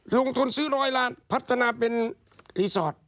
ลงทุนซื้อร้อยล้านพัฒนาเป็นรีสอร์ท